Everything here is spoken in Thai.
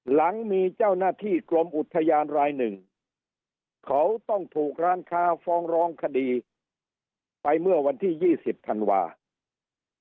หลังมีเจ้าหน้าที่กรมอุทยานรายหนึ่งเขาต้องถูกร้านค้าฟ้องร้องคดีไปเมื่อวันที่๒๐ธันวาคม